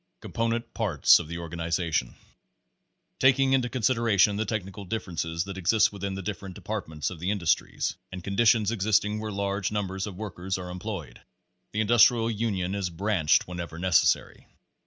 Component Parts of the Organization Taking into cjrjcteideration the technical differences that exist within trie different departments of the in dustries and conditions existing where large numbers of workers are employed, the Industrial Union is "branched" wherever necessary.